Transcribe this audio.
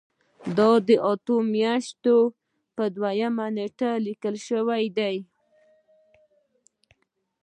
دا د اتمې میاشتې په دویمه نیټه لیکل شوی دی.